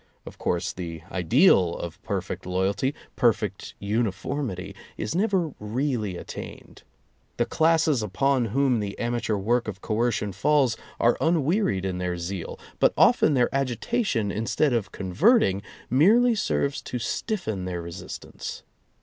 Of course the ideal of perfect loyalty, perfect uniformity is never really attained. The classes upon whom the amateur work of coercion falls are unwearied in their zeal, but often their agitation instead of converting, merely serves to stiffen their resistance.